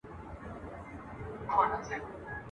له سرو او سپينو زرو څخه جوړي سوي